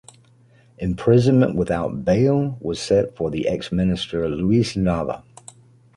Imprisonment without bail was set for the ex Minister Luis Nava.